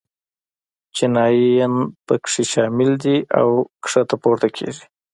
چینایي ین په کې شامل دي او ښکته پورته کېږي.